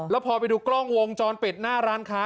แล้วพอไปดูกล้องวงจรปิดหน้าร้านค้า